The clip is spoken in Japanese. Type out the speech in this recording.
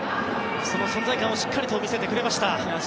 その存在感をしっかりと見せてくれました。